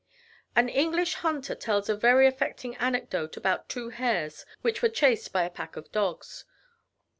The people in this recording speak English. An English hunter tells a very affecting anecdote about two hares which were chased by a pack of dogs.